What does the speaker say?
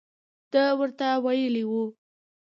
ده ورته ویلي وو.